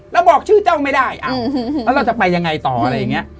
เราบอกชื่อเจ้าไม่ได้แล้วเราจะไปยังไงต่ออะไรอย่างนี้